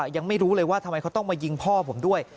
ยังไม่รู้เลยว่าทำไมเขาต้องมายิงพ่อผมด้วย